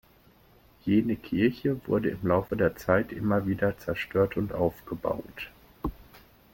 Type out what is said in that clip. Jene Kirche wurde im Laufe der Zeit immer wieder zerstört und aufgebaut.